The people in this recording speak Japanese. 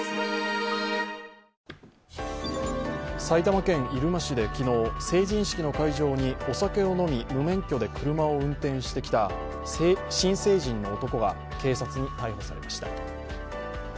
埼玉県入間市で昨日、成人式の会場にお酒を飲み、無免許で車を運転してきた新成人の男が警察に逮捕されました。